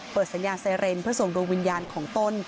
สัญญาณไซเรนเพื่อส่งดวงวิญญาณของต้น